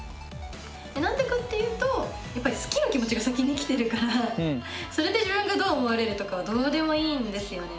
なんでかっていうとやっぱり好きの気持ちが先に来てるからそれで自分がどう思われるとかはどうでもいいんですよね。